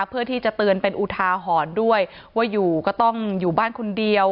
เพื่อที่จะเตือนเป็นอุทาหรณ์ด้วยว่าอยู่ก็ต้องอยู่บ้านคนเดียว